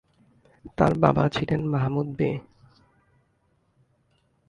তাঁর বাবা ছিলেন মাহমুদ বে।